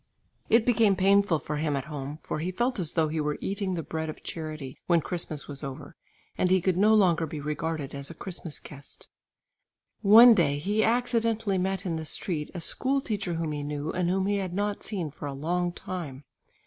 It became painful for him at home for he felt as though he were eating the bread of charity when Christmas was over, and he could no longer be regarded as a Christmas guest. One day he accidentally met in the street a school teacher whom he knew, and whom he had not seen for a long time.